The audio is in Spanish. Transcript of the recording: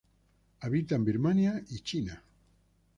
Habita en Birmania y China.